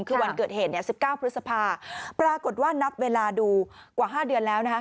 คือวันเกิดเหตุ๑๙พฤษภาปรากฏว่านับเวลาดูกว่า๕เดือนแล้ว